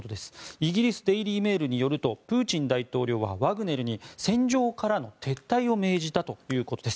イギリスデイリー・メールによるとプーチン大統領はワグネルに戦場からの撤退を命じたということです。